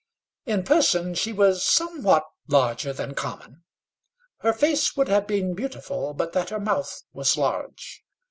In person she was somewhat larger than common. Her face would have been beautiful but that her mouth was large.